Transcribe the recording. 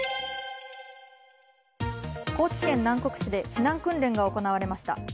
高知県南国市で避難訓練が行われました。